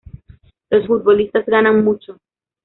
Los futbolistas ganan mucho.